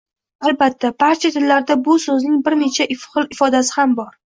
Albatta, barcha tillarda bu so’zning bir necha xil ifodasi ham bor.